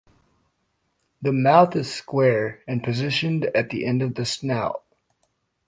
The mouth is square, and positioned at the end of the snout.